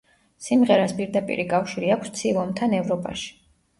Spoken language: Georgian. სიმღერას პირდაპირი კავშირი აქვს ცივ ომთან ევროპაში.